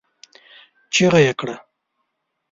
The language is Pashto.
چيغه يې کړه!